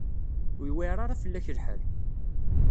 Ur yewɛir ara fell-ak lḥal.